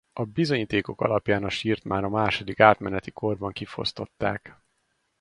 A bizonyítékok alapján a sírt már a második átmeneti korban kifosztották.